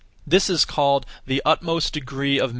This is called 'The utmost degree of mystery.'